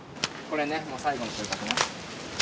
これね、もう最後の収穫ね。